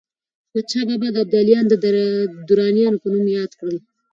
احمدشاه بابا ابداليان د درانیانو په نوم ياد کړل.